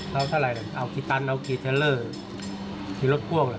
เราเท่าไหร่เอากี่ตันเอากี่เซอร